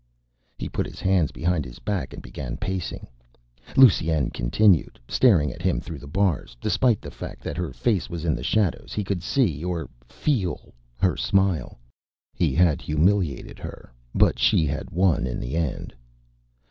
He put his hands behind his back and began pacing. Lusine continued staring at him through the bars. Despite the fact that her face was in the shadows, he could see or feel her smile. He had humiliated her, but she had won in the end.